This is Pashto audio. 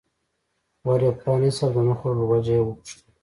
ور یې پرانست او د نه خوړلو وجه یې وپوښتل.